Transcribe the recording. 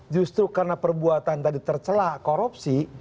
justru karena perbuatan tadi tercelak korupsi